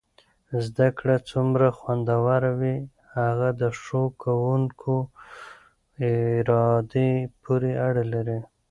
زده کړه څومره خوندور وي هغه د ښو کوونکو ارادې پورې اړه لري.